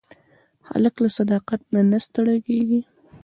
هلک له صداقت نه نه ستړی کېږي.